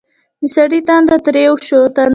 د سړي تندی تريو شو: